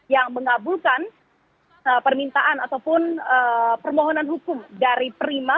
yang mengabulkan permintaan ataupun permohonan hukum dari prima